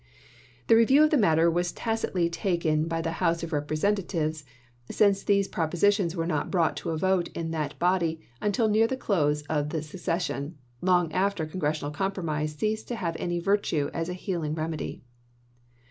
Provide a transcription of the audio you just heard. This view of the matter was tacitly taken by the House of Eepresentatives, since these propositions were not brought to a vote in that body until near the close of the ses sion, long after Congressional compromise ceased to have any virtue as a healing remedy.